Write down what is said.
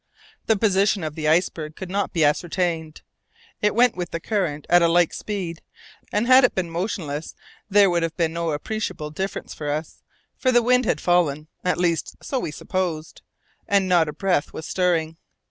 The position of the iceberg could not be ascertained. It went with the current at a like speed, and had it been motionless there would have been no appreciable difference for us, for the wind had fallen at least, so we supposed and not a breath was stirring.